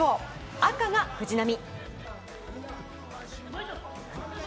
赤が藤波。